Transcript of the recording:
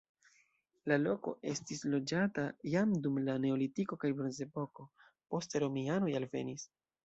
La loko estis loĝata jam dum la neolitiko kaj bronzepoko, poste romianoj alvenis.